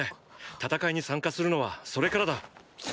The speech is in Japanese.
戦いに参加するのはそれからだ。